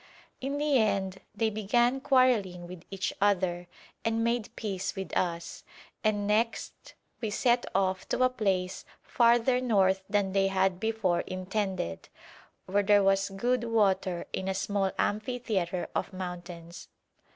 In the end they began quarrelling with each other and made peace with us, and next we set off to a place farther north than they had before intended, where there was good water in a small amphitheatre of mountains.